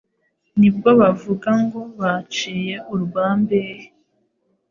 ni bwo bavuga ngo Baciye urwa Mbehe